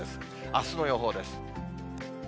あすの予報です。